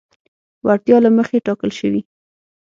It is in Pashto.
وړتیا له مخې ټاکل شوي.